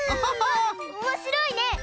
おもしろいね！